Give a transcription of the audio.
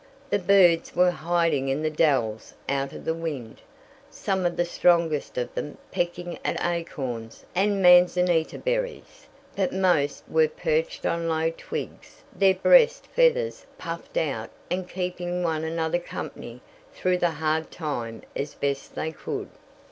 The birds were hiding in the dells out of the wind, some of the strongest of them pecking at acorns and manzanita berries, but most were perched on low twigs, their breast feathers puffed out and keeping one another company through the hard time as best they could.